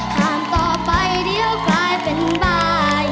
ห่างต่อไปเดี๋ยวกลายเป็นบ้าย